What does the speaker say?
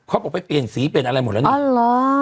เขาบอกไปเปลี่ยนสีเปลี่ยนอะไรหมดแล้วเนี่ย